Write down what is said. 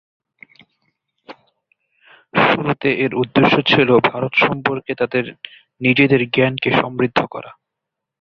শুরুতে এর উদ্দেশ্য ছিল ভারত সম্পর্কে তাদের নিজেদের জ্ঞানকে সমৃদ্ধ করা।